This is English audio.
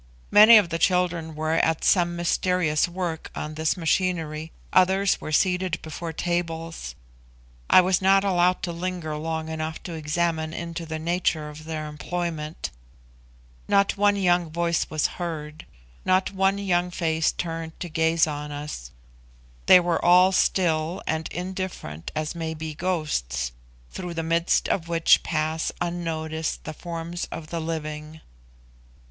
Many of the children were at some mysterious work on this machinery, others were seated before tables. I was not allowed to linger long enough to examine into the nature of their employment. Not one young voice was heard not one young face turned to gaze on us. They were all still and indifferent as may be ghosts, through the midst of which pass unnoticed the forms of the living.